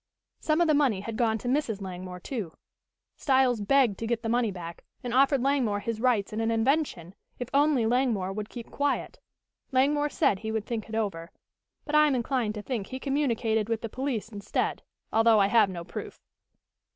Some of the money had gone to Mrs. Langmore, too. Styles begged to get the money back and offered Langmore his rights in an invention if only Langmore would keep quiet. Langmore said he would think it over, but I am inclined to think he communicated with the police instead, although I have no proof.